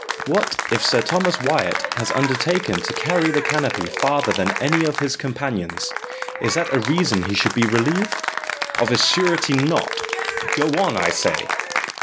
"What if Sir Thomas Wyat has undertaken to carry the canopy farther than any of his companions, is that a reason he should be relieved? Of a surety not go on, I say!"